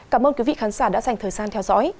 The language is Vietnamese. cảm ơn quý vị khán giả đã dành thời gian theo dõi